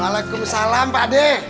waalaikumsalam pak dek